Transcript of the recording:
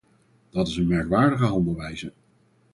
Dat is een merkwaardige handelwijze.